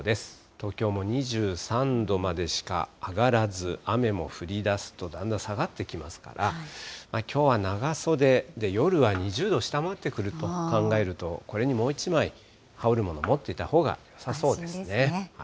東京も２３度までしか上がらず、雨も降りだすとだんだん下がってきますから、きょうは長袖で、夜は２０度下回ってくると考えると、これにもう一枚、羽織るもの、持っておいたほうがよさそうですね。